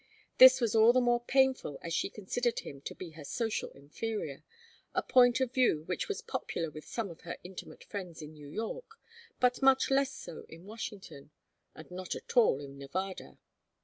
This was all the more painful as she considered him to be her social inferior, a point of view which was popular with some of her intimate friends in New York, but much less so in Washington, and not at all in Nevada.